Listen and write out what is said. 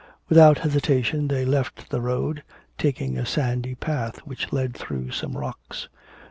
Without hesitation they left the road, taking a sandy path which led through some rocks.